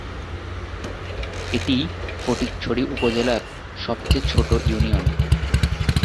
এটি ফটিকছড়ি উপজেলার সবচেয়ে ছোট ইউনিয়ন।